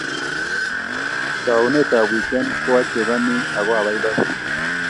taunet ab wikend ko achokani ako abaibai